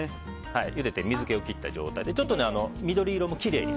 ゆでて水気を切った状態で緑色もきれいに。